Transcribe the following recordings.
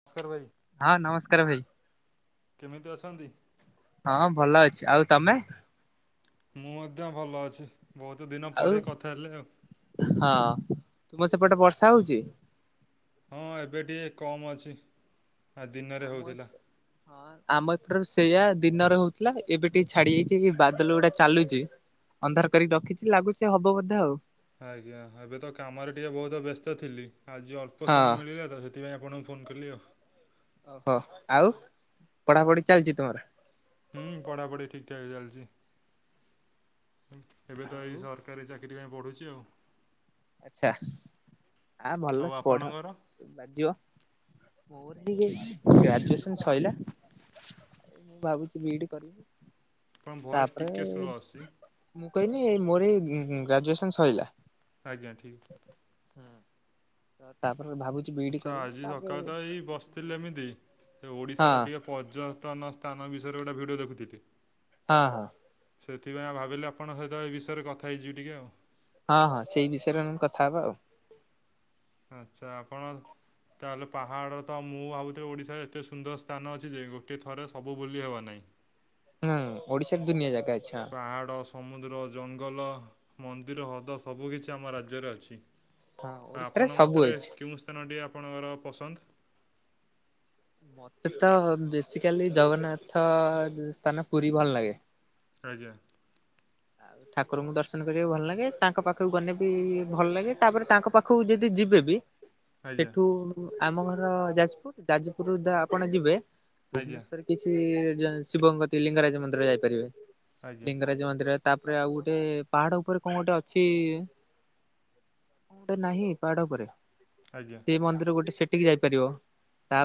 ନମସ୍କାର ଭାଇ। ହଁ ନମସ୍କାର ଭାଇ। କେମିତି ଅଛନ୍ତି? ହଁ ଭଲ ଅଛି ଆଉ ତମେ? ମୁଁ ମଧ୍ୟ ଭଲ ଅଛି ବହୁତ ଦିନ ଆଉ ପରେ କଥା ହେଲେ ଆଉ। ହଁ ତୁମର ସେପଟେ ବର୍ଷା ହଉଛି? ହଁ ଏବେ ଟିକେ କମ୍ ଅଛି। ଆ ଦିନରେ ଆମ ହେଉଥିଲା। ଏପ ହଁ ଆମ ଏପଟରୁ ସେଇଆ ଦିନରେ ହଉଥିଲା ଏବେ ଟିକେ ଛାଡି ଯାଇଛି କି ବାଦଲ ଗୋଡା ଚାଲୁଚି। ଅନ୍ଧାର କରିକି ରଖିଛି ଲାଗୁଛି ହବ ବୋଧେ ଆଉ। ଆଜ୍ଞା ଏବେ ତ କାମରେ ଟିକେ ବହୁତ ବ୍ୟସ୍ତ ଥିଲି ଆଜି ଅଳ୍ପ ହଁ। ସମୟ ମିଳିଲା ତ ସେ ସେଥିପାଇଁ ଆପଣଙ୍କୁ ଫୋନ କଲି ଆଉ। ଓହୋ ଆଉ ପଢାପଢି ଚାଲିଛି ତମର? ହୁଁ ପଢାପଢି ଠିକ ଠାକ ଚାଲିଛି ଏବେ ତ ଆଉ ଏଇ ସରକା କାରୀ ଚାକିରି ପାଇଁ ପଢ଼ୁଛି ଆଉ। ଆଚ୍ଛା ଆ ଆଉ ଭଲ ପଢ। ଆପଣଙ୍କର ବାଜିବ ମୋର ହେଇ ଗ୍ରାଜୁସନ ସଇଲା। ମୁଁ ଭାବୁଛି ବିଇଡି କରିବି ଆପଣଙ୍କ ଭଏସ୍ ଟିକେ ତାପରେ ସ୍ଲୋ ଆସୁଛି। ମୁଁ କହିଲି ମୋର ଏଇ ଗ୍ରାଜୁଏସନ ସଇଲା। ଆଜ୍ଞା ଠିକ୍। ହୁଁ ତ ତାପରେ ଭାବୁ ଆଚ୍ଛା ଆଜି ସକାଳେ ତ ଏଇ ବସିଥିଲି ଏମିତି ଏ ହଁ ଓଡିଶାର ଟିକେ ପର୍ଯ୍ୟଟନ ସ୍ଥାନ ବିଷୟରେ ଗୋଟେ ଭିଡ଼ିଓ ଦେଖୁଥିଲି। ହଁ। ସେଥିପାଇଁ ଆଉ ଭାବିଲି ଆପଣଙ୍କ ସହିତ ଏ ବିଷୟରେ କଥା ହେଇଯିବି ଟିକେ ଆଉ। ହଁ ହଁ ସେଇ ବିଷୟରେ ଆମେ କଥା ହବା ଆଉ। ଆଚ୍ଛା ଆପଣ ତାହେଲେ ପାହାଡ଼ ତ ମୁଁ ଭାବୁଥିଲି ଓଡ଼ିଶାରେ ଏତେ ସୁନ୍ଦର ସ୍ଥାନ ଅଛି ଯେ ଗୋଟିଏ ଥରେ ସବୁ ବୁଲି ହେବ ନାହିଁ। [inaudible] ହୁଁ ଓଡ଼ିଶାରେ ଦୁନିଆ ଜାଗା ଅଛି ହଁ। ପାହାଡ଼, ସମୁଦ୍ର, ଜଙ୍ଗଲ, ମନ୍ଦିର, ହ୍ରଦ ସବୁକିଛି ଆମ ରାଜ୍ୟରେ ଅଛି। ହଁ ଆଉ ଓଡିଶାରେ ଆପଣଙ୍କ ସବୁ ମତରେ ଅଛି। କେଉଁ ସ୍ଥାନଟି ଆପଣଙ୍କର ପସନ୍ଦ? ମତେ ତ ବେସିକାଲି ଜଗନ୍ନାଥ ସ୍ଥାନ ପୁରୀ ଭଲ ଲାଗେ। ଆଜ୍ଞା। ଆଉ ଠାକୁରଙ୍କୁ ଦର୍ଶନ କରିବାକୁ ଭଲ ଲାଗେ, ତାଙ୍କ ପାଖକୁ ଗଲେ ବି ଭଲ ଲାଗେ, ତାପରେ ତାଙ୍କ ପାଖକୁ ଯଦି ଯିବେ ବି ଆଜ୍ଞା ସେଠୁ ଆମ ଘର ଯାଜପୁର, ଯାଜପୁରରୁ ଧର ଆପଣ ଯିବେ ଆଜ୍ଞା ଭୁବନେଶ୍ଵର କିଛି ଶିବଙ୍କ କତିକି ଲିଙ୍ଗରାଜ ମନ୍ଦିର ଯାଇପାରିବେ, ଆଜ୍ଞା ଲିଙ୍ଗରାଜ ମନ୍ଦିର ତାପରେ ଆଉ ଗୋଟେ ପାହାଡ ଉପରେ କଣ ଗୋଟେ ଅଛି ଗୋଟେ ନାହିଁ ପାହାଡ଼ ଉପରେ ଆଜ୍ଞା। ସେ ମନ୍ଦିର ଗୋଟେ ସେଠିକି ଯାଇପାରିବ।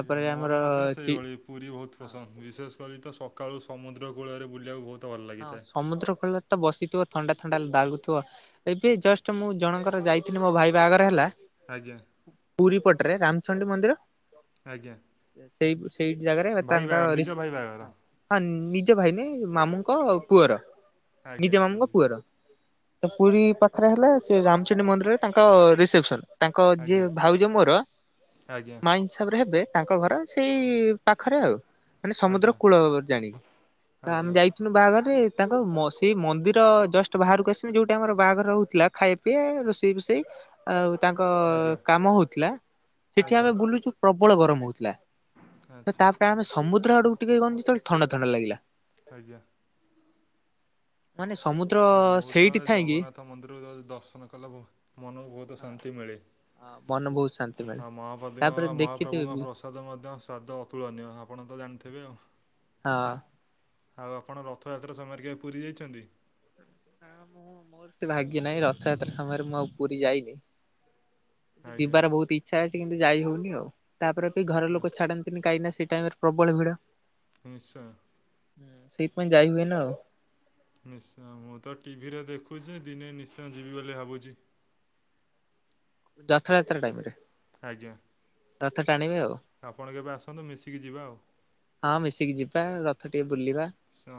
ଆଜ୍ଞା ଆମର ମୋର ମଧ୍ୟ ଚି ସେଇଭଳି। ପୁରୀ ବହୁତ ପସନ୍ଦ ବିଶେଷ କରି ତ ସକାଳୁ ସମୁଦ୍ର କୂଳରେ ବୁଲିବାକୁ ବହୁତ ଭଲ ହଁ ଲାଗିଥାଏ। ସମୁଦ୍ର କୂଳ ତ ବସିଥିବ ଥଣ୍ଡା ଥଣ୍ଡା ଦାଗୁଥିବ। ଏବେ ଜଷ୍ଟ ମୁଁ ଜଣଙ୍କର ଯାଇଥିଲି ମୋ ଭାଇ ବାହାଘର ହେଲା ଆଜ୍ଞା। ପୁରୀ ପଟରେ ରାମଚଣ୍ଡୀ ମନ୍ଦିର। ଆଜ୍ଞା। ସେଇ ସେଇ ଜାଗାରେ ଆଉ ଭାଇ ତାଙ୍କ ବାହାଘର ନିଜ ରିଶ ଭାଇ ବାହାଘର। ହଁ ନିଜ ଭାଇ ନାହିଁ ମାମୁଁଙ୍କ ପୁଅର ଆଜ୍ଞା ନିଜ ଠିକ୍ ମାମୁଁଙ୍କ ଅଛି ପୁଅର। ପୁରୀ ପାଖରେ ହେଲେ ସେ ରାମଚଣ୍ଡୀ ମନ୍ଦିରରେ ତାଙ୍କ ରିସେପସନ। ତାଙ୍କ ଯିଏ ଆଜ୍ଞା ଭାଉଜ ମୋରା ଆଜ୍ଞା ମାଇଁ ସ ହିସାବରେ ହେବେ, ତାଙ୍କ ଘର ସେଇ ପାଖରେ ଆଉ। ମାନେ ସମୁଦ୍ର ଆଜ୍ଞା କୂଳ ବ ଜାଣି ତ ଆମେ ଆଜ୍ଞା ଯାଇ ବାହାଘରରେ ତାଙ୍କ ସେଇ ମନ୍ଦିର ଜଷ୍ଟ ବାହାରକୁ ଆସିବେ ଯୋଉଠି ଆମର ବାହାଘର ହଉଥିଲା ଖାଇବ ଏ ରୋଷେଇ ବୋଷେଇ ଆଉ ତାଙ୍କଅ ଆଜ୍ଞା କାମ ହଉଥିଲା, ସେଠି ଆମେ ଆଜ୍ଞା ବୁଲୁଛୁ ପ୍ରବଳ ଗରମ ହଉଥିଲା। ତ ଆଚ୍ଛା ତା ପାଇଁ ଆମେ ସମୁଦ୍ର ଆଡ଼କୁ ଟିକେ ଗଲୁ ଯେତେବେଳେ ଥଣ୍ଡା ଥଣ୍ଡା ଲାଗିଲା। ଆଜ୍ଞା। ମାନେ ସମୁଦ୍ର ମୁଁ ତ ସେଇଠି ଥାଇକି ଜଗନ୍ନାଥ ମନ୍ଦିରକୁ ଦର୍ଶନ କଲେ ମନକୁ ବହୁତ ଶାନ୍ତି ହଁ ମିଳେ। ମନ ବହୁତ ଶାନ୍ତି ମିଳେ ମପଦୁଉଁ ତାପରେ ଦେଖିଥିବେ ମହାପ୍ରଭୁଙ୍କ ବି ପ୍ରସ ଷାଦ ମଧ୍ୟ ସ୍ୱାଦ ଅତୁଳନୀୟ ଆପଣ ତ ଜାଣିଥିବେ ଆଉ। ହଁ। ଆଉ ଆପଣ ରଥଯାତ୍ରା ସମୟରେ କେବେ ପୁରୀ ଯାଇଛନ୍ତି? ହଁ ମୁଁ ମୋର ସେ ଭାଗ୍ୟ ନାହିଁ ରଥଯାତ୍ରା ସମୟରେ ମୁଁ ଆଉ ପୁରୀ ଯାଇନି। ଆଜ୍ଞା ଯିବାର ବହୁତ ଇଚ୍ଛା ଅଛି କିନ୍ତୁ ଯାଇ ହଉନି ଆଉ, ତାପରେ ବି ଘର ଲୋକ ଛାଡନ୍ତିନ କାହିଁକି ସେ ଟାଇମ ରେ ପ୍ରବଳ ଭିଡ଼। ନିଶ୍ଚୟ। ହଁ ସେଇଥିପାଇଁ ଯାଇ ହୁଏନା ଆଉ। ନିଶ୍ଚୟ ମୁଁ ତ ଟିଭିରେ ଦେଖୁଛି ଦିନେ ନିଶ୍ଚୟ ଯିବି ବୋଲି ଭାବୁଛି। ରଥଯାତ୍ରା ଟାଇମ ରେ। ଆଜ୍ଞା। ରଥ ଟାଣିବେ ଆଉ। ଆପଣ କେବେ ଆସନ୍ତୁ ମିଶିକି ଯିବା ଆଉ। ହଁ ମିଶିକି ଯିବା ରଥ ଟିକେ ବୁଲିବା। ସେଁ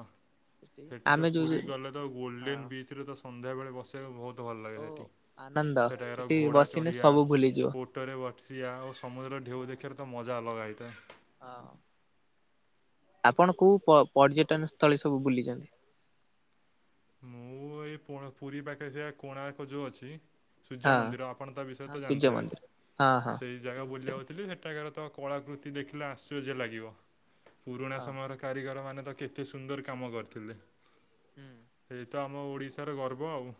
ସେଠି ତ ଆମେ ଯୋଉ ପୁରୀ ଯୋଉ ଗଲେ ତ ଗୋଲ୍ଡେନ ହଁ ବିଚରେ ତ ସନ୍ଧ୍ୟାବେଳେ ବସ ସିବା ବହୁତ ଭଲ ଲାଗେ ଓ ସେଠି ଆନନ୍ଦ ସେଠାକାର ସେଠି ଘୋଡ଼ା ବସିଲେ ଚଢ଼ିଆ, ସବୁ ଭୁଲିଯିବ। ଓଟ ଓଟ ରେ ବସିବା ଆଉ ସମୁଦ୍ରର ଢେଉ ଦେଖିବାରେ ତ ମଜା ଅଲଗା ହୋଇଥାଏ। ହଁ। ଆପଣ କୋଉ ପ୍ର ପର୍ଯ୍ୟଟନ ସ୍ଥଳୀ ସବୁ ବୁଲିଛନ୍ତି? ମୁଁ ଏଇ ପୋଣ ପୁରୀ ପାଖରେ ଥିବା କୋଣାର୍କ ଯୋଉ ଅଛି ସୂର୍ଯ୍ୟ ହଁ ମନ୍ଦିର ଆପଣ ତା ବିଷୟରେ ହଁ ତ ସୂର୍ଯ୍ୟ ଜାଣିଥିବେ। ମନ୍ଦିର ହଁ ହଁ ସେଇ ଜାଗା ମନ୍ଦିର ବୁଲିବାକୁ ଥିଲି ସେଠାକାର ତ କଳାକୃତି ଦେଖିଲେ ଆଶ୍ଚର୍ଯ୍ୟ ଲାଗିବ। ପୁରୁଣା ହଁ ସମୟ ର କାରିଗର ମାନେ ତ କେତେ ସୁନ୍ଦର କାମ କରିଥିଲେ। ହୁଁ। ସେଇ ତ ଆମ ଓଡ଼ିଶାର ଗର୍ବ ଆଉ।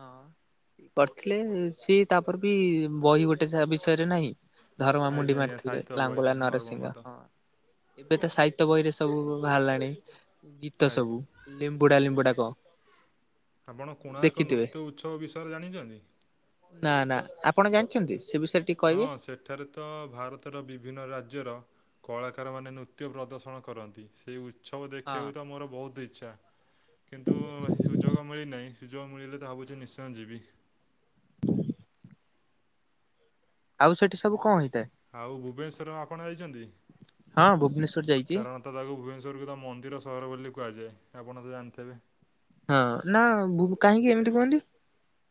ହଁ। କରିଥିଲେ, ସିଏ ତାପରେ ବି ବହି ଗୋଟେ ଯାହା ବିଷୟରେ ନାହିଁ। ତାର ମା ମୁଣ୍ଡି ଆଜ୍ଞା ଆଜ୍ଞା ମାରିଥିଲେ ସାହିତ୍ୟ ଲାଙ୍ଗୁଳା ବହିରେ ନରସିଂହ। ଧର୍ମପଦ ହଁ। ଏବେ ତ ସାହିତ୍ୟ ବହିରେ ସବୁ ବାହାରିଲାଣି ଗୀତ ଆଜ୍ଞା। ସବୁ। ଲିମ୍ବୁଡା ଲିମ୍ବୁଡା କ ଆପଣ କୋଣାର୍କ ନୃତ୍ୟ ଉତ୍ସବ ବିଷୟରେ ଜାଣିଛନ୍ତି? ନା ନା ଆପଣ ଜାଣିଛନ୍ତି? ସେ ବିଷୟରେ ଟି ହଁ ସେଠାରେ ତ ଭାରତର ବିଭିନ୍ନ ରାଜ୍ୟର କଳାକାର ମାନେ ନୃତ୍ୟ ପ୍ରଦର୍ଶନ କରନ୍ତି। ସେଇ ଉ ଉତ୍ସବ ହଁ ଦେଖିବାକୁ ତ ମୋର ବହୁତ ଇଚ୍ଛା। କିନ୍ତୁ ସୁଯୋଗ ମିଳିନାହିଁ। ସୁଯୋଗ ମିଳିଲେ ତ ଭାବୁଛି ନିଶ୍ଚୟ ଯିବି। [inaudible] ଆଉ ସେଠି ସବୁ କଣ ହେଇଥାଏ? ଆଉ ଭୁବନେଶ୍ବର ଆପଣ ଯାଇଛନ୍ତି? ହଁ ଭୁବନେଶ୍ଵର ଯାଇଚି। କାରଣ ତ ତାକୁ ଭୁବନେଶ୍ୱରକୁ ତ ମନ୍ଦିର ସହର ବୋଲି କୁହାଯାଏ। ଆପଣ ତ ଜାଣିଥିବେ। ହଁ ନା ଭୁ କାହିଁକି ଏମିତି କୁହନ୍ତି?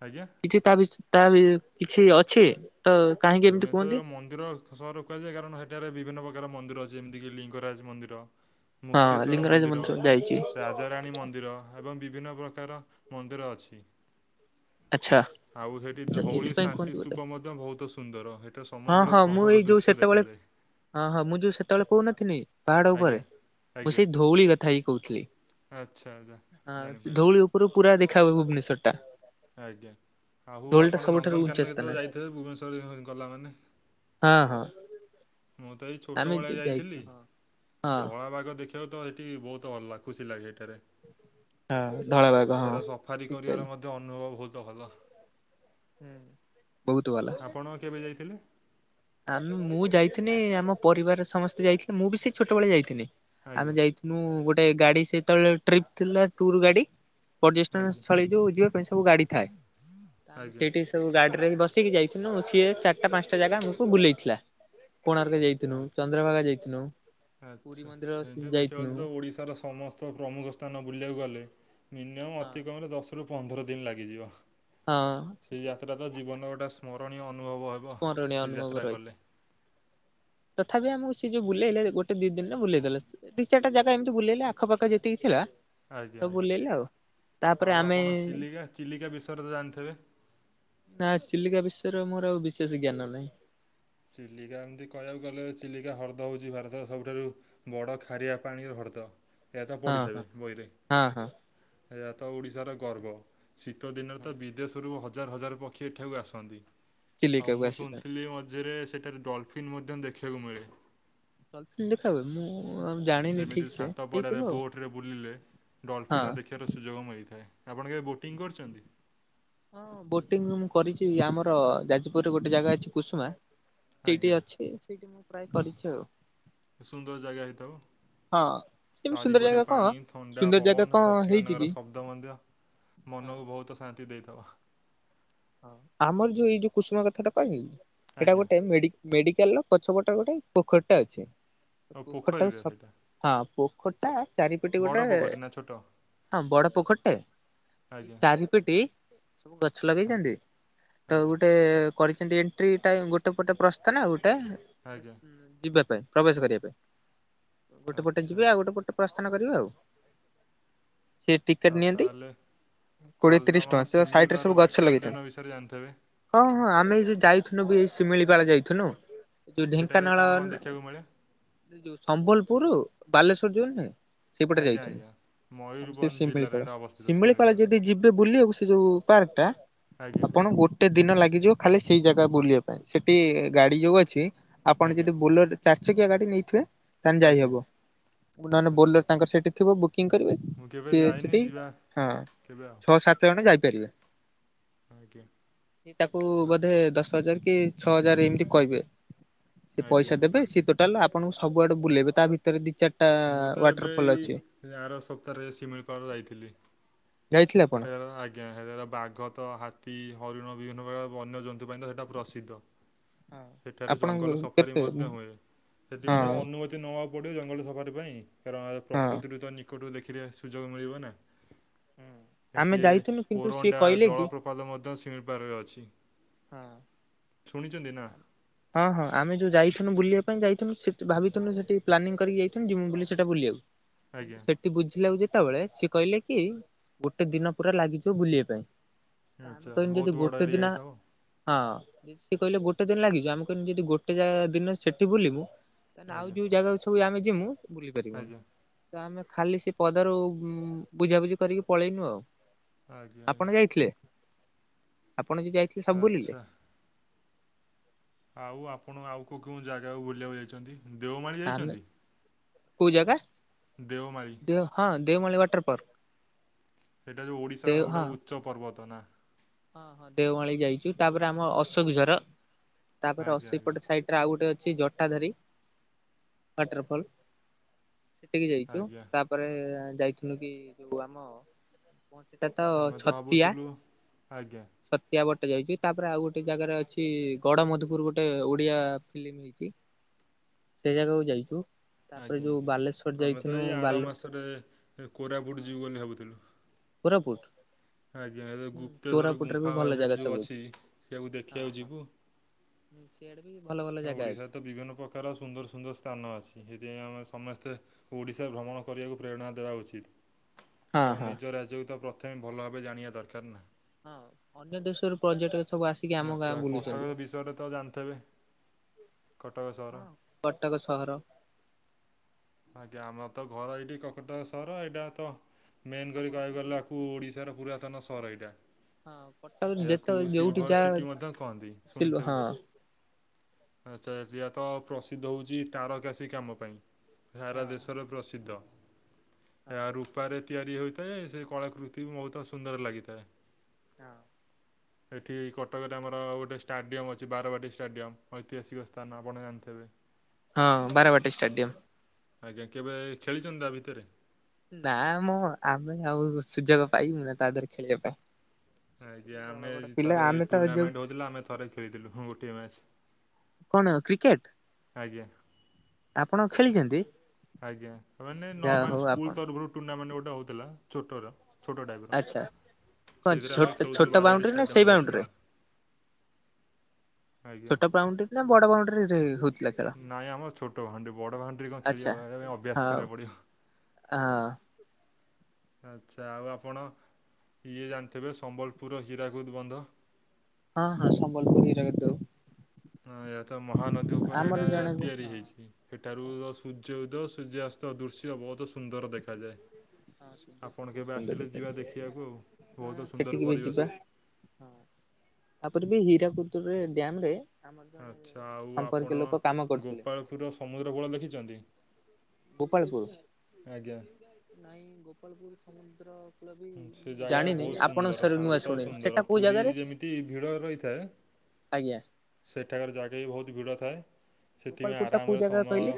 ଆଜ୍ଞା। କିଛି ତା ବିଷୟ ତାହେଲେ କିଛି ଅଛି। ତ କାହିଁକି ଏମିତି ଭୁବନେଶ୍ୱର କୁହନ୍ତି ରେ ମନ୍ଦିର ସହର କୁହାଯାଏ। କାରଣ ସେଠାରେ ବିଭିନ୍ନ ପ୍ରକାର ମନ୍ଦିର ଅଛି। ଯେମିତିକି ଲିଙ୍ଗରାଜ ମନ୍ଦିର। ହଁ ମୁକ୍ତେଶ୍ୱର ଲିଙ୍ଗରାଜ ମନ୍ଦିର। ଯାଇଛି ରା ରାଜାରାଣୀ ମନ୍ଦିର। ଏବଂ ବିଭିନ୍ନ ପ୍ରକାର ମନ୍ଦିର ଅଛି। ଆଚ୍ଛା ଆଉ ସେଠି ଧଉଳି ଏଥିପାଇଁ କୁହନ୍ତି ଶାନ୍ତି ବୋଧେ ସ୍ତୂପ ମଧ୍ୟ ବହୁତ ସୁନ୍ଦର। ହେଇଟା ହଁ ସମଗ୍ର ହଁ ମୁଁ ଏଇ ସହରର ଯୋଉ ଦୃଶ୍ୟ ସେତେବେଳେ ଦେଖାଯାଏ। ହଁ ହଁ। ମୁଁ ଯୋଉ ସେତେବେଳେ କହୁନଥିଲି ପାହାଡ ଉପରେ ଆଜ୍ଞା ମୁଁ ଆଜ୍ଞା ସେଇ ଧଉଳି କଥା ହିଁ କହୁଥିଲି। ଆଚ୍ଛା ଆଚ୍ଛା ହଁ ଜାଣିପାରିଲି ଧଉଳି ସେ ଉପୁରୁ ପୁରା ଦେଖା ହୁଏ ଭୁବନେଶ୍ୱର ଟା। ଆଜ୍ଞା। ଆଉ ଧଉଳି ଟା ଆପଣ ସବୁଠାରୁ ଉଞ୍ଚା ନନ୍ଦନକାନନ ସ୍ଥାନ। କେତେବେଳେ ଯାଇଥିବେ ଭୁବନେଶ୍ଵର ଗଲା ମାନେ? ହଁ ହଁ ମୁଁ ତ ଏଇ ଆମେ ଛୋଟବେଳେ ଯାଇଥିଲି। ଯାଇଥିଲୁ ହଁ ହଁ ଧଳା ବାଘ ଦେଖି ପ୍ରାୟତଃ ହେଠି ବହୁତ ଅଲଗା ଖୁସି ଲାଗେ ହେଠାରେ। ହଁ ଧଳାବାଘ ହଁ। ସେଠାରେ ସଫାରୀ ଠିକ୍ କହିଲି କରିବାର ମଧ୍ୟ ଅନୁଭବ ବହୁତ ଭଲ। ହୁଁ, ବହୁତ ଭଲ। ଆପଣ କେବେ ଯାଇଥିଲେ? ଆମେ ମୁଁ ଯାଇଥିନି ଆମ ପରିବାର ରେ ସମସ୍ତେ ଯାଇଥିଲେ। ମୁଁ ବି ସେଇ ଛୋଟବେଳେ ଯାଇଥିନି। ଆମେ ଆଜ୍ଞା ଯାଇ ମୁଁ ଗୋଟେ ଗାଡି ସେତେବେଳେ ଟ୍ରିପ ଥିଲା ଟୁର ଗାଡି। ପର୍ଯ୍ୟଟନ ଆଜ୍ଞା ସ୍ଥଳୀ ଯୋଉ ଯିବା ପାଇଁ ସବୁ ଗାଡି ଥାଏ। ତ ଆମେ ଆଜ୍ଞା ସେଇଠି ସବୁ ଗାଡି ରେ ବସେଇକି ଯାଇଥିନୁ। ସିଏ ଚାରିଟା ପାଞ୍ଚଟା ଜାଗା ଆମକୁ ବୁଲେଇଥିଲା। କୋଣାର୍କ ଯାଇ ଥିନୁ। ଆ ଚନ୍ଦ୍ରଭାଗା ଯାଇଥିନୁ। ପୁରୀ ଆଚ୍ଛା। ମନ୍ଦିର ଏମିତି ଦେଖିବାକୁ ଯାଇଥିନୁ ଗଲେ ତ ଓଡିଶାର ସମସ୍ତ ପ୍ରମୁଖ ସ୍ଥାନ ବୁଲିବାକୁ ଗଲେ ମିନିମମ୍ ହଁ। ଅତିକମ୍ ରେ ଦଶରୁ ପନ୍ଦର ଦିନ ଲାଗିଯିବ। ହଁ। ସେଟା ତ ଟିକେ ଜୀବନର ଗୋଟେ ସ୍ମରଣୀୟ ଅନୁଭବ ହେବ ସ୍ମରଣୀୟ ସେ ଅନୁଭବ ଯାତ୍ରା ରହିଥାଏ କଲେ। ତଥାପି ଆମକୁ ସେ ଯୋଉ ବୁଲେଇଲେ ଗୋଟେ ଦି ଦିନରେ ବୁଲେଇଦେଲେ ସେ। ତିନି ଚାରିଟା ଜାଗା ଏମିତି ବୁଲେଇଲେ ଆଖପାଖ ଯେତିକି ଥିଲା। ଆଜ୍ଞା ସବୁ ଆଜ୍ଞା ବୁଲେଇଲେ ଆଉ ତାପରେ ଆଉ ଆମେ ଆପଣ ଚିଲିକା ଚିଲିକା ବିଷୟରେ ତ ଜାଣିଥିବେ? ନା ଚିଲିକା ବିଷୟରେ ମୋର ଆଉ ବିଶେଷ ଜ୍ଞାନ ନାହିଁ। ଚିଲିକା ଏମିତି କହିବାକୁ ଗଲେ ଚିଲିକା ହ୍ରଦ ହେଉଛି ଭାରତ ସବୁଠାରୁ ବଡ଼ ଖାରିଆ ପାଣି ହ୍ରଦ ଏହା ତ ହଁ ହଁ ପଡ଼ିଥିବେ ବହିରେ? ହଁ ହଁ ଏହା ତ ଓଡିଶାର ଗର୍ବ ଶୀତ ଦିନରେ ହଁ। ତ ବିଦେଶରୁ ହ ଜାର ହଜାର ପକ୍ଷୀ ଏଠାକୁ ଆସନ୍ତି ଆଉ ଚିଲିକାକୁ ମୁଁ ଆସିଥାଏ। ଶୁଣିଥିଲି ମ ଝିରେ ସେଠାରେ ଡଲଫିନ୍ ମଧ୍ୟ ଦେଖିବାକୁ ମିଳେ। ଡଲଫିନ୍ ଦେଖା ହୁଏ ମୁଁ ଆଉ ଜାଣିନି ଯେମିତି ଠିକ ସେ ସାତ ହେଇଥିବ ପଡ଼ାରେ ଆଉ ବୋଟ ରେ ବୁଲିଲେ ହଁ। ଡଲଫିନ ଦେଖି ଖିବାର ସୁଯୋଗ ମିଳିଥାଏ ଆପଣ କେବେ ବୋଟିଂ କରିଛନ୍ତି? ହଁ ବୋଟିଂ ମୁଁ କରିଛି ଆମର ଯାଜପୁରରେ ଗୋଟେ ଜାଗା ଅଛି କୁସୁମା ସେଇଠି ଆଜ୍ଞା। ଅଛି ସେଇଠି ମୁଁ ପ୍ରାୟ କରିଛି ଆଉ। ସୁନ୍ଦର ଜାଗା ହେଇଥିବ? ହଁ ସେମିତି ସୁନ୍ଦର ଚାରିପଟେ ଜାଗା କଣ ପାଣି ଥଣ୍ଡା ସୁନ୍ଦର ଜାଗା ପବନ କଣ ପକ୍ଷୀ ହେଇଛି କି ମାନଙ୍କର ଶବ ତ ମଧ୍ୟ ହଁ ମନକୁ ବହୁତ ଶାନ୍ତି ଦେଇଥିବ? ହଁ ଆମର ଯୋଉ ଏଇଠି ଯୋଉ କୁସୁମ କଥାଟା କହିଲି ସେଇଟା ଆଜ୍ଞା। ଗୋଟେ ମେଡି ମେଡିକାଲର ପଛ ପଟରେ ଗୋଟେ ପୋଖରୀଟା ଅଛି। ଆଉ ପୋଖରୀଟା ପୋଖରୀରେ ସେଇଟା ହଁ ପୋଖରୀ ଟା ଚାରିପଟେ ବଡ଼ ଗୋଟେ ପୋଖରୀ ନା ଛୋଟ? ହଁ ବଡ ପୋଖରୀଟେ ତା ସେଇ ଆଜ୍ଞା ଚାରିପଟେ ସବୁ ଗଛ ଲଗେଇ ଆଜ୍ଞା ତ ଆଜ୍ଞା ଗୋଟେ କରିଛନ୍ତି ଏଣ୍ଟ୍ରି ଟା ଗୋଟେ ପଟେ ପ୍ରସ୍ତାନ ଗୋଟେ ପଟେ ଆଜ୍ଞା ଯିବା ପାଇଁ ପ୍ରବେଶ କରିବା ପାଇଁ ଗୋଟେ ପଟେ ଆଚ୍ଛା ଯିବେ ଆଉ ଆଚ୍ଛା। ଗୋଟେ ପଟେ ପ୍ରସ୍ଥାନ କରିବେ ଆଉ। ସେ ଆଚ୍ଛା ଟିକେଟ ନିଅନ୍ତି ତାହେଲେ କୋଡିଏ ତିରିଶ ଟଙ୍କା ତ ସାଇଟ ରେ ସବୁ ଗଛ ଲାଗି ନ ବିଷୟରେ ଜାଣିଥିବେ? ହଁ ହଁ ଆମେ ଏଇ ଯଉ ଯାଇଥିଲୁ ବି ଏଇ ଶିମିଳିପାଳ ଯାଇଥିଲୁ। ଯୋଉ ସେଠାରେ ଢେଙ୍କାନାଳ କଣ କଣ ଦେଖିବାକୁ ମିଳେ? ଯୋଉ ସମ୍ବଲପୁର ବାଲେଶ୍ୱବର ଯୋଉ ନୁହେଁ ସେଇପଟେ ଆଜ୍ଞା ଯାଇଥିନୁ ଆଜ୍ଞା ଆଉ ସେ ମୟୂରଭଞ୍ଜ ଜିଲ୍ଲାରେ ଶିମିଳିପାଳ ଏଇଟା ଅବସ୍ଥିତ ଶିମିଳି ଶିମିଳିପାଳ ପାଳ। ଯଦି ଯିବେ ବୁଲିବାକୁ ସେ ଯୋଉ। ପାର୍କ ଟା। ଆଜ୍ଞା। ଆପଣ ଗୋଟେ ଦିନ ଲାଗିଯିବ ଖାଲି ସେଇ ଜାଗା ବୁଲିବା ପାଇଁ ସେଠି ଗାଡି ଯୋଉ ଆପଣ ଆଜ୍ଞା ଯଦି ବୋଲରେ ଚାରି ଚକିଆ ଗାଡି ନେଇଥିବେ ତାହେଲେ ଆଜ୍ଞା ଯାଇହବ। ନହେଲେ ଆଚ୍ଛା ବୋଲରରେ ତାଙ୍କର ସେଇଠି ଥିବ ବୁକିଂ କରିବେ ମୁଁ କେବେ ସିଏ ଯାଇନି ସେଠି ଯିବା ହଁ। କେବେ ଆଉ ସେମାନେ ଯାଇପାରିବେ। ଆଜ୍ଞା। ତାକୁ ହଁ ବୋଧେ ଦଶ ହଜାର କି ଛଅ ହଜାର ଏମିତି କହିବେ ସିଏ ଆଜ୍ଞା ପଇସା ଦେବେ ସିଏ ତ ଆପଣଙ୍କୁ ସବୁଆଡ଼େ ବୁଲେଇବେ ତା ଭିତରେ ଦି ଚାରିଟା ମୁଁ ତ ୱାଟର ଏବେ ଫଲ ଏଇ ଅଛି। ସେ ଆର ସପ୍ତାହରେ ଶିମିଳିପାଳ ଯାଇଥିଲି ଯାଇଥିଲେ ଆପଣ? ସେଠ ଆ ଆଜ୍ଞାର ବାଘ ତ ହାତୀ, ହରିଣ ବିଭିନ୍ନ ପ୍ରକାର ବନ୍ୟଜନ୍ତୁ ପାଇଁ ତ ସେଇଟା ପ୍ରସିଦ୍ଧ। ସେଠାରେ ଆପଣ ଜଙ୍ଗଲ ସଫାରୀ କେତେ ହଁ ମଧ୍ୟ ହୁଏ ସେଥିପାଇଁ ତାଙ୍କ ଅନୁମତି ନେବାକୁ ପଡ଼ିବ ଜଙ୍ଗଲ ସଫାରୀ ପାଇଁ କାରଣ ହଁ। ପ୍ରକୃତିରୁ ତ ନିକଟକୁ ଦେଖି ମିଲିବନା ଆମେ ଯାଇଥିଲୁ କିନ୍ତୁ ସିଏ କୋରଣ୍ଡ କହିଲେ କି ଜଳପ୍ରାତଟି ପାଦ ମଧ୍ୟ ଶିମିଳିପାଳରେ ଅଛି। ହଁ। ଶୁଣିଛନ୍ତି ନା? ହଁ ହଁ ଆମେ ଯୋଉ ଯାଇଥିଲୁ ବୁଲିବା ପାଇଁ ଯାଇଥିଲୁ ସେ ଭାବିଥିଲୁ ସେଠି ପ୍ଲାନିଙ୍ଗ କରି ଯାଇ ଯିମୁ ବୋଲି ସେଟା ବୁଲିବାକୁ ଆଜ୍ଞା କିନ୍ତୁ ସେ ବୁଝିଲା ଯେତେବେଳେ ସିଏ କହିଲେ କି ଗୋଟେ ଦିନ ପୁରା ଲାଗିଯିବ ବୁଲିବା ପାଇଁ। ତ ଆମେ ଆଚ୍ଛା କହିବୁ ଯଦି ବହୁତ ବଡ଼ ଗୋଟେ ଏରିଆ ଦିନ ହେଇଥିବ ହଁ ସିଏ କହିଲେ ଗୋଟେ ଦିନ ଲାଗିଯିବ, ଆମେ କହିଲୁ ଯଦି ଗୋଟେ ଯା ଦିନ ସେଠି ବୁଲିବୁ ତାହାଲେ ଆଉ ଆଜ୍ଞା ଯୋଉ ଜାଗକୁ ସବୁ ଆମେ ଯିବୁ ବୁଲିପରିବୁନି। ଆଜ୍ଞା। ତ ଆମେ ଖାଲି ସେ ପଦାରୁ ବୁଝାବୁଝି କରିକି ପଳେଇଲୁ ଆଉ। ଆଜ୍ଞା ଆଜ୍ଞା ଆପଣ ଯାଇଥିଲେ ଆପଣ ଯ ଯାଇଥିଲେ ସବୁ ଆଚ୍ଛା। ବୁଲିଲେ? ଆଉ ଆପଣ ଆଉ କେଉଁ କେଉଁ ଜାଗାକୁ ବୁଲିବାକୁ ଯାଇଛନ୍ତି, ଦେଓମାଳି ଆମେ ଯାଇଛନ୍ତି? କୋଉ ଜାଗା? ଦେଓମାଳି। ଦେଓ ହଁ ଦେଓମାଳି ୱାଟରପାର୍କ? ସେଇଟା ଯୋଉ ଓଡ଼ିଶାର ହଁ ସବୁଠାରୁ ଉଚ୍ଚ ପର୍ବତ ନା। ହଁ ହଁ ଦେଓମାଳି ଯାଇଛୁ ତାପରେ ଆମର ଅଶୋକଝର, ତାପରେ ଅଶୋ ଆଜ୍ଞା ଆଜ୍ଞା ସେଇପଟ ସାଇଟ ଏଟା ଆଉ ଗୋଟେ ଅଛି ଜଟାଧାରୀ ୱାଟରଫଲ। ସେଠିକି ଯାଇଛୁ, ଆଜ୍ଞା। ତାପରେ ଯାଇଥିଲୁ କି ଯୋଉ ଆମ କଣ୍ ସେଟା ତ ଆମେ ଛତିଆ। ଭାବୁଥିଲୁ ଆଜ୍ଞା। ଛତିଆ ବଟ ଯାଇଛି ତାପରେ ଆଉ ଗୋଟେ ଜାଗାରେ ଅଛି ଗଡ ମଧୁପୁର ଗୋଟେ ଓଡିଆ ଫିଲ୍ମ। ଇଛୁ ସେ ଜାଗାକୁ ଯାଇଛୁ। ତାପରେ ଆଜ୍ଞା ଯୋଉ ଆଜ୍ଞା ବାଲେଶ୍ଵର ଆମେ ତ ଯାଇଥିଲୁ ଏଇ ଆର ବାଲେଶ୍ଵର ମାସରେ କୋରାପୁଟ ହଁ ଯିବୁ ବୋଲି ଭାବୁଥିଲୁ। କୋରାପୁଟ? ଆଜ୍ଞା ଏ ହୁଁ ଗୁପ୍ତେଶ୍ୱର କୋରାପୁଟରେ ବି ଗୁମ୍ଫା ଭଲ ଜାଗା ସେଇଠି ଯୋଉ ସବୁ ଅଛି ସେଆକୁ ଦେଖିଆକୁ ଯିବୁ। ହୁଁ ସିଆଡେ ବି ଭଲ ଭଲ ଜାଗା ଓଡ଼ିଶାରେ ଅଛି। ତ ବିଭିନ୍ନ ପ୍ରକାର ସୁନ୍ଦର ସୁନ୍ଦର ସ୍ଥାନ ଅଛି, ସେଥିପାଇଁ ଆମେ ସମସ୍ତେ ଓଡ଼ିଶା ଭ୍ରମଣ କରିବାକୁ ପ୍ରେରଣା ଦେବା ଉଚିତ୍। ହଁ କାରଣ ହଁ ନିଜ ରାଜ୍ୟକୁତ ପ୍ରଥମେ ଭଲ ଭାବେ ଜାଣିବା ଦରକାର ନା। ହଁ ଅନ୍ୟ ଦେଶରୁ ପର୍ଯ୍ୟଟକ ସବୁ ଆସିକି ଆମ ଗାଁ ଆଛା ବୁଲୁଛନ୍ତି କଟକ ବିଷୟରେ ତ ଜାଣିଥବେ? କଟକ ସହର। ହଁ କଟକ ସହର ଆଜ୍ଞା ଆମର ତ ଘର ଏଇଠି କକଟକ ସହର ଏଇଟା ତ ମେନ୍ କରି ଆପଣ ତ କହିବାକୁ ଗଲେ ବୁଲି ଆକୁ ଓଡ଼ିଶାର ପୁରାତନ ସହର ଏଇଟା। ହଁ କଟକ ଯେତେ ଏହାକୁ ଯୋଉଠି ସିଲଭର ଯାହା ସିଟି ମଧ୍ୟ କହନ୍ତି, ହଁ ଶୁଣିଥିବେ? ହଁ ଆଚ୍ଛା ଏରିଆ ତ ପ୍ରସିଦ୍ଧ ହେଉଛି ତାରକାସି କାମ ପାଇଁ। ସାରା ଦେଶରେ ପ୍ରସିଦ୍ଧ, ହଁ ଏହା ରୂପାରେ ତିଆରି ହୋଇଥାଏ ସେ କଳାକୃ ତି ବହୁତ ସୁନ୍ଦର ଲାଗିଥାଏ। ହଁ। [inaudible] ଏଠି କଟକରେ ଆମର ଗୋଟେ ଷ୍ଟାଡ଼ିୟମ୍ ଅଛି ବାରବାଟୀ ଷ୍ଟାଡିୟମ୍ ଐତିହାସିକ ସ୍ଥାନ, ଆପଣ ଜାଣିଥିବେ? [inaudible] ହଁ ବାରାବାଟୀ ଷ୍ଟାଡ଼ିୟମ୍। ଆଜ୍ଞା କେବେ ଖେଳିଛନ୍ତି ତା ଭିତରେ? ନା ମ ଆମେ ଆଉ ସୁଯୋଗ ପାଇବୁ ନା ତା ଦେହରେ ଖେଳିବା ପାଇଁ? ଆଜ୍ଞା ବଡ ଆମେ ବଡ ପିଲା ଥରେ ଆମେ ତ ଯୋଉ ଟୁର୍ଣ୍ଣାମେଣ୍ଟ ହଉଥିଲା ଆମେ ଥରେ ଖେଳିଥିଲୁ ଗୋଟିଏ ମ୍ୟାଚ୍। କଣ କ୍ରିକେଟ? ଆଜ୍ଞା। ଆପଣ ଖେଳିଛନ୍ତି? ଆଜ୍ଞା ମାନେ ଯାହା ନର୍ମାଲ ହଉ ସ୍କୁଲ ଆପଣ ତରଫରୁ ଟୁର୍ଣ୍ଣାମେଣ୍ଟ ଗୋଟେ ହଉଥିଲା ଛୋଟର। ଛୋଟ ଟାଇପ୍ର, ଆଚ୍ଛା କଣ ସେଇଥିରେ ଆମେ ଛୋଟ ଖେଳୁଥିଲୁ ଛୋଟ ବାରବାଟି ବାଉଣ୍ଡ୍ରି ନା ସେଇ ଷ୍ଟାଡିୟମରେ ବାଉଣ୍ଡ୍ରି ହେଉଥିଲା ରେ? ଆଉ। [inaudible] ଆଜ୍ଞା ଛୋଟ ବାଉଣ୍ଡ୍ରି ନା ବଡ ବାଉଣ୍ଡ୍ରିରେ ହଉଥିଲା ଖେଳ? ନାଇଁ ଆମର ଛୋଟ ଭାଣ୍ଡି ବଡ ଭାଣ୍ଡି କଣ ଖି ଆଚ୍ଛା ଅଭ୍ୟାସ ହଉ କରିବାକୁ ପଡିବ। ହଁ ଆଚ୍ଛା ଆଉ ଆପଣ ଇଏ ଜାଣିଥିବେ ସମ୍ବଲପୁରର ହୀରାକୁଦ ବନ୍ଧ। ହଁ ହଁ ସମ୍ବଲପୁର ହୀରାକୁଦ। ତ ମହାନଦୀ ଉପରେ ଆମର ଏଟା ଜଣେ ହଁ ତିଆରି ହଁ ହେଇଛି, ସେଠାରୁ ସୂର୍ଯ୍ୟ ଉଦୟ ସୂର୍ଯ୍ୟା ଅସ୍ତ ଦୃଶ୍ୟ ବହୁତ ସୁନ୍ଦର ଦେଖାଯାଏ। ସୂର୍ଯ୍ୟାସ୍ତ ଆପଣ ବହୁତ କେବେ ସୁନ୍ଦର ଆସିଲେ ଯିବା ଦେଖାଯାଏ ଦେଖିବାକୁ ଆଉ, ହଁ ବହୁତ ସୁନ୍ଦର ସେଠିକି ବି ଯିବା ପରିବେଶ। ହଁ, ତାପରେ ବି ହୀରାକୁଦ ଡ୍ୟାମ ରେ ଆମର ଜଣେ ଆଚ୍ଛା ସମ୍ପର୍କୀୟ ଲୋକ କାମ କରୁଥିଲେ। ପୁରା ସମୁଦ୍ର କୂଳ ଲେଖିଛନ୍ତି? ଗୋପାଳପୁର? ଆଜ୍ଞା ନାଇଁ ଗୋପାଳପୁର ସମୁଦ୍ର ହୁଁ, ସେ ମୁ ଜାଗା ଜାଣିନି ବହୁତ ଆପଣଙ୍କ ସୁନ୍ଦର ସରୁ ନୂଆ ଶାନ୍ତ ଆଉ ଶୁଣିନି, ସୁନ୍ଦର ସେଟା କୋଉ ପୁରୀ ଜାଗାରେ? ଯେମିତି ଭିଡ଼ ରହିଥାଏ ଆଜ୍ଞା। ସେଠାକାର ଜାଗା ବି ବହୁତ ଭିଡ଼ ଥାଏ। ସେଥିପାଇଁ ଗୋପାଳପୁର ଟା କୋଉ ଆରାମରେ ଜାଗା ସମୟ କହିଲେ?